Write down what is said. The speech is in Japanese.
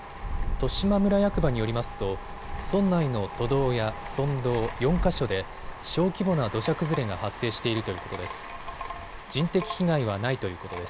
利島村役場によりますと村内の都道や村道４か所で小規模な土砂崩れが発生しているということです。